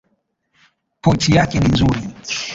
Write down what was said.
Pochi yake ni nzuri.